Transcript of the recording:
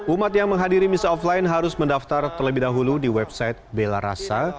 umat yang menghadiri misa offline harus mendaftar terlebih dahulu di website bela rasa